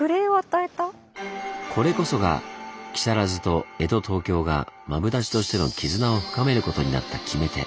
これこそが木更津と江戸・東京がマブダチとしての絆を深めることになった決め手。